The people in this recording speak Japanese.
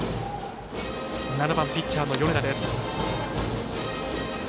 ７番、ピッチャーの米田。